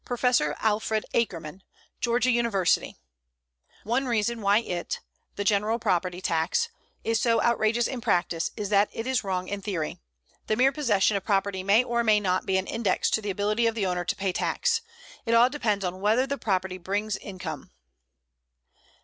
PROFESSOR ALFRED AKERMAN, Georgia University: One reason why it (the general property tax) is so outrageous in practice is that it is wrong in theory. The mere possession of property may or may not be an index to the ability of the owner to pay tax. It all depends on whether the property brings income.